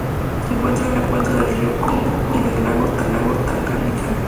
Se encuentra en la cuenca del río Congo y en el lago Tanganika.